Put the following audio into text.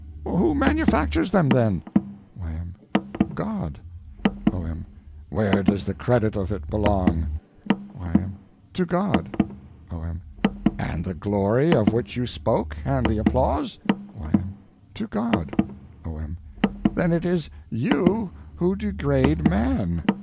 Who manufactures them, then? Y.M. God. O.M. Where does the credit of it belong? Y.M. To God. O.M. And the glory of which you spoke, and the applause? Y.M. To God. O.M. Then it is _you _who degrade man.